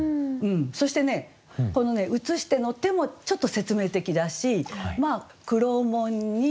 そしてこの「映して」の「て」もちょっと説明的だし「黒門に」